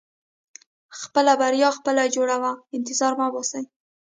• خپله بریا خپله جوړوه، انتظار مه باسې.